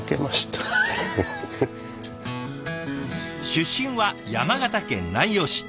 出身は山形県南陽市。